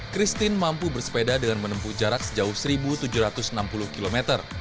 christine mampu bersepeda dengan menempuh jarak sejauh seribu tujuh ratus enam puluh km